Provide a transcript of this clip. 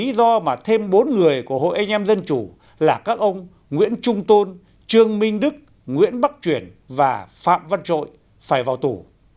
lý do mà thêm bốn người của hội anh em dân chủ là các ông nguyễn trung tôn trương minh đức nguyễn bắc truyền và phạm văn trội phải vào tù